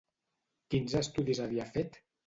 Quins estudis havia fet?